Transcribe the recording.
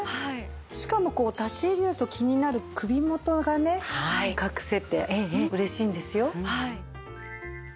しかも立ち襟だと気になる首元がね隠せて嬉しいんですよ。